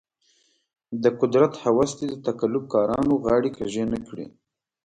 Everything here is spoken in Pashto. د قدرت هوس دې د تقلب کارانو غاړې کږې نه کړي.